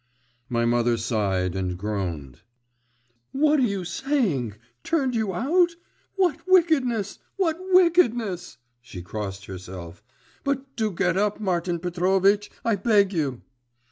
…' My mother sighed and groaned. 'What are you saying? Turned you out! What wickedness! what wickedness!' (She crossed herself.) 'But do get up, Martin Petrovitch, I beg you!